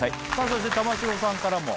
そして玉城さんからも。